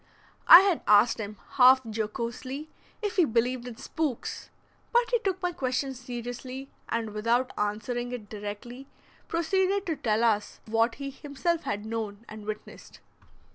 I had asked him, half jocosely, if he believed in "spooks"; but he took my question seriously, and without answering it directly, proceeded to tell us what he himself had known and witnessed.